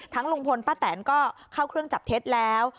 ลุงพลป้าแตนก็เข้าเครื่องจับเท็จแล้ว